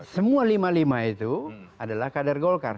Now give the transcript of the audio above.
semua lima lima itu adalah kader golkar